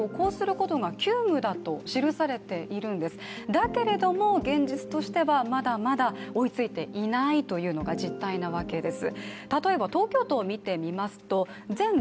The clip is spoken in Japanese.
だけれども、現実としてはまだまだ追いついていないというのが実態なわけです。